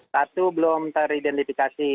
satu belum teridentifikasi